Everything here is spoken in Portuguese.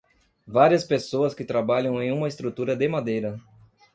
Várias pessoas que trabalham em uma estrutura de madeira.